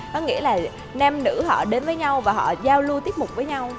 có nghĩa là nam nữ họ đến với nhau và họ giao lưu tiếp mục với nhau